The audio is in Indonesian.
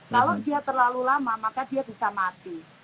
kalau dia terlalu lama maka dia bisa mati